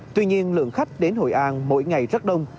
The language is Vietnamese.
tuy nhiên lượng khách đến hội an mỗi ngày rất đông